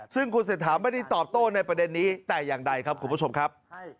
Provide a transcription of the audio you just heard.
ซึ่งคุณเศรษฐาไม่ได้ตอบโต้ในประเด็นนี้แต่อย่างใดครับคุณผู้ชมครับ